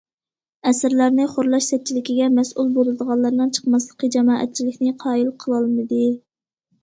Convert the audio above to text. ئەسىرلەرنى خورلاش سەتچىلىكىگە مەسئۇل بولىدىغانلارنىڭ چىقماسلىقى جامائەتچىلىكنى قايىل قىلالمىدى.